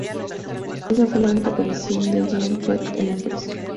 Ésa fue la única aparición de Giant Jet en la empresa.